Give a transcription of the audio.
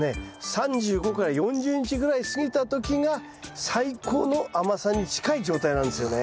３５から４０日ぐらい過ぎた時が最高の甘さに近い状態なんですよね。